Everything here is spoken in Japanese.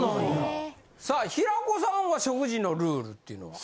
さあ平子さんは食事のルールっていうのは？